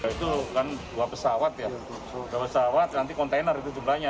itu kan dua pesawat ya dua pesawat nanti kontainer itu jumlahnya